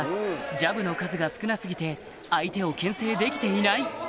ジャブの数が少な過ぎて相手をけん制できていないあ！